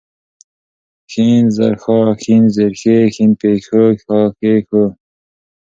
ښ زر ښا، ښېن زير ښې ، ښين پيښ ښو ، ښا ښې ښو